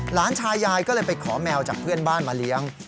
หลานชายยายก็เลยไปขอแมวจากเพื่อนบ้านมาเลี้ยง